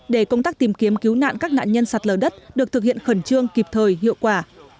để công tác tìm kiếm cứu nạn các nạn nhân sạt lở đất được thực hiện khẩn trương kịp thời hiệu quả